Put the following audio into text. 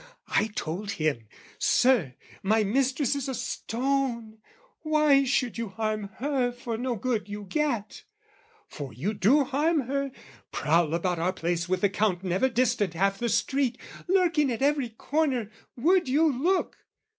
"I told him, 'Sir, my mistress is a stone: "'Why should you harm her for no good you get? "'For you do harm her prowl about our place "'With the Count never distant half the street, "'Lurking at every corner, would you look!